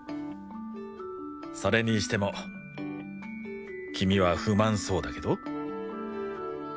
それにしても君は不満そうだけど？